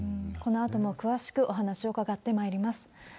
このあとも詳しくお話を伺ってまいります。